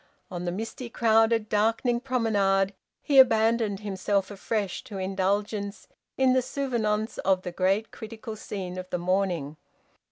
On the misty, crowded, darkening promenade he abandoned himself afresh to indulgence in the souvenance of the great critical scene of the morning.